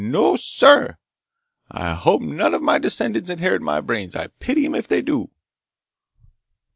No, sir! I hope none o' my descendants inherit my brains! I pity 'em if they do!"